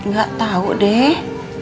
gak tau deh